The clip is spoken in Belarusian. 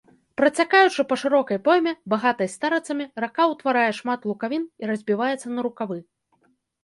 Працякаючы па шырокай пойме, багатай старыцамі, рака ўтварае шмат лукавін і разбіваецца на рукавы.